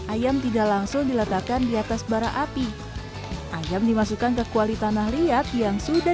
ayam tidak langsung diletakkan di atas bara api ayam dimasukkan ke kuali tanah liat yang sudah